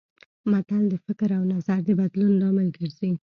متل د فکر او نظر د بدلون لامل ګرځي